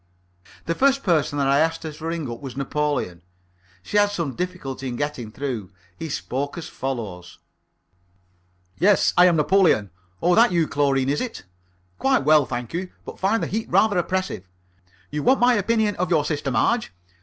The first person that I asked her to ring up was Napoleon. She had some difficulty in getting through. He spoke as follows: "Yes, I am Napoleon. Oh, that's you, Chlorine, is it?... Quite well, thank you, but find the heat rather oppressive.... You want my opinion of your sister Marge?